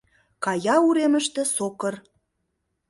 Кая уремыште сокыр